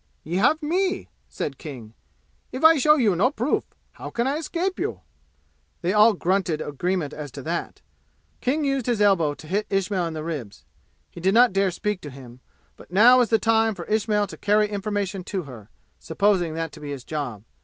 "Ye have me!" said King. "If I show you no proof, how can I escape you?" They all grunted agreement as to that. King used his elbow to hit Ismail in the ribs. He did not dare speak to him; but now was the time for Ismail to carry information to her, supposing that to be his job.